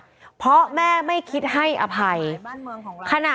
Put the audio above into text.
ก็เป็นสถานที่ตั้งมาเพลงกุศลศพให้กับน้องหยอดนะคะ